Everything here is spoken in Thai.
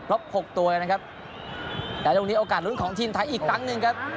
หกตัวนะครับแต่ตรงนี้โอกาสลุ้นของทีมไทยอีกครั้งหนึ่งครับ